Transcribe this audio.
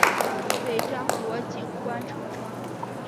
尾张国井关城城主。